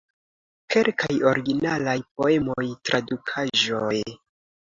Kelkaj originalaj poemoj, tradukaĵoj.